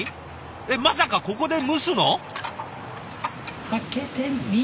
えっまさかここで蒸すの？